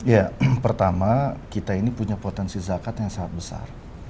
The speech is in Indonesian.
ya pertama kita ini punya potensi zakat yang sangat besar